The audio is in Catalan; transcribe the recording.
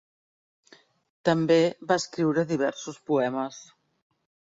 També va escriure diversos poemes.